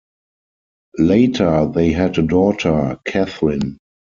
Later they had a daughter, Kathryn.